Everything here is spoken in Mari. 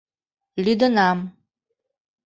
— Лӱдынам.